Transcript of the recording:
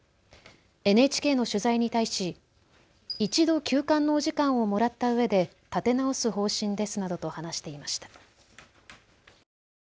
ＮＨＫの取材に対し一度休館のお時間をもらったうえで建て直す方針ですなどと話していました。